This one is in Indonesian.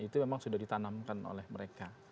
itu memang sudah ditanamkan oleh mereka